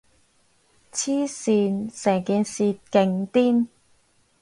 黐線，成件事勁癲